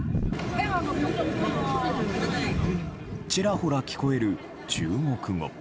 ちらほら聞こえる中国語。